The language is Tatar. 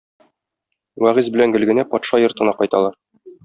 Вәгыйзь белән Гөлгенә патша йортына кайталар.